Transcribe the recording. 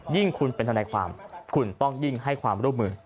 ยิ่งคุณเป็นทนายความคุณต้องยิ่งให้ความร่วมมือ